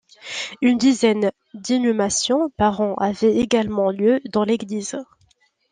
Une dizaine d'inhumations par an avait également lieu dans l'église.